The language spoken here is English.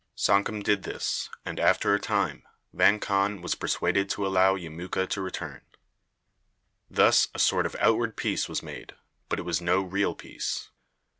Sankum did this, and, after a time, Vang Khan was persuaded to allow Yemuka to return. Thus a sort of outward peace was made, but it was no real peace.